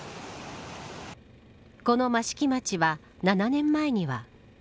この益城町は７年前には。